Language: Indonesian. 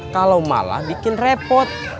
kalau malah bikin repot